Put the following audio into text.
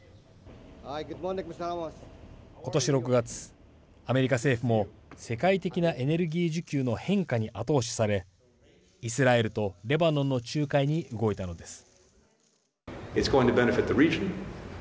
今年６月、アメリカ政府も世界的なエネルギー需給の変化に後押しされイスラエルとレバノンの仲介に動いたのです。